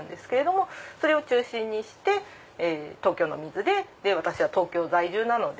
それを中心にして東京の水で私は東京在住なので。